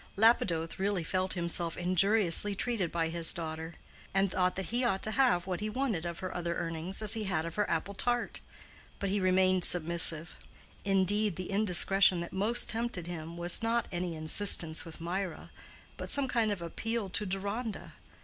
Lapidoth really felt himself injuriously treated by his daughter, and thought that he ought to have had what he wanted of her other earnings as he had of her apple tart. But he remained submissive; indeed, the indiscretion that most tempted him, was not any insistence with Mirah, but some kind of appeal to Deronda.